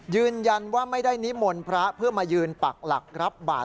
ยืนยันว่าไม่ได้นิมนต์พระเพื่อมายืนปักหลักรับบาท